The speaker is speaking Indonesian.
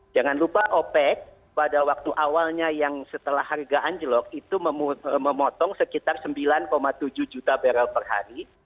jangan lupa opec pada waktu awalnya yang setelah harga anjlok itu memotong sekitar sembilan tujuh juta barrel per hari